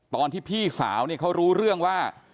ตอนที่พี่สาวเขารู้เรื่องว่า